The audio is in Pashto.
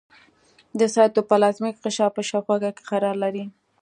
د سایتوپلازمیک غشا په شاوخوا کې قرار لري.